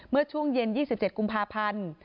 เมื่อช่วงเย็น๒๗กุมภาพันธ์